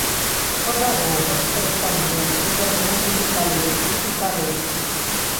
Па дарогах карэспандэнцыю развозілі калёсы і карэты.